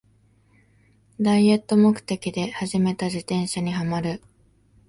ダイエット目的で始めた自転車にハマる